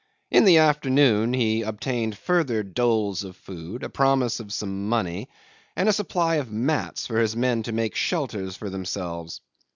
In the afternoon he obtained further doles of food, a promise of some money, and a supply of mats for his men to make shelters for themselves.